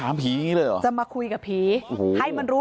เมื่อเวลาอันดับ